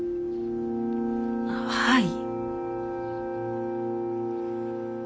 はい。